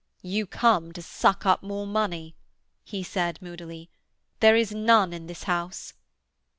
'You come to suck up more money,' he said moodily. 'There is none in this house.'